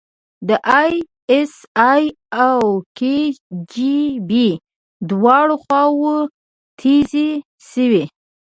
د ای اس ای او کي جی بي دواړه خواوې تیزې شوې.